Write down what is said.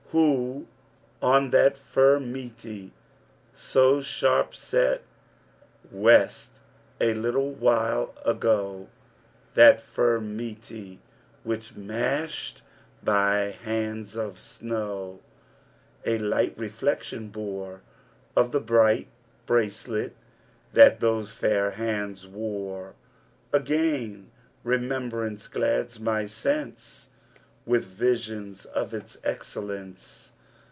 Who on that furmeaty So sharpset west a little while ago— That furmeaty, which mashed by hands of snow, A light reflection bore, Of the bright bracelets that those fair hands wore; Again remembrance glads my sense With visions of its excellence!